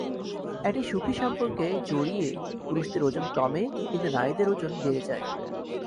একটি সুখী সম্পর্কে জড়িয়ে পুরুষদের ওজন কমে কিন্তু নারীদের ওজন বেড়ে যায়।